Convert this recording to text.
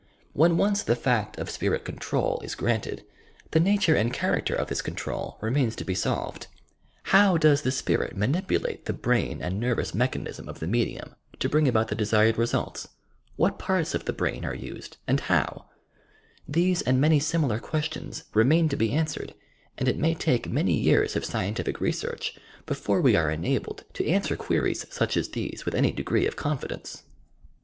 Wlien once the fact of spirit control is granted, the uattire and character of this control remains to be solved. Soic does the spirit manipulate the brain and nervous mechanism of the medium, to bring about the desired resultsf What parts of the brain are used, and howt These and many similar questions remain to be answered; and it may take many years of scientific research before we are enabled to answer queries such as these with any degree of confidence.